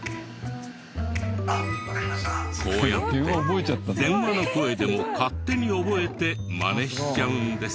こうやって電話の声でも勝手に覚えてマネしちゃうんです。